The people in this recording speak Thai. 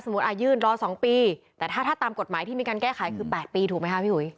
ยื่นรอ๒ปีแต่ถ้าตามกฎหมายที่มีการแก้ไขคือ๘ปีถูกไหมคะพี่หุย